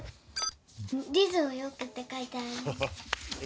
「リズムよく」ってかいてある。